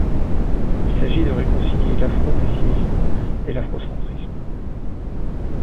Il s’agit de réconcilier l’afro-pessimisme et l’afrocentrisme.